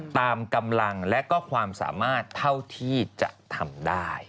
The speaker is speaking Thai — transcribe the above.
ตามกำลังและก็ความสามารถเท่าที่จะทำได้